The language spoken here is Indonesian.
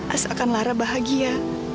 asalkan lara bahagia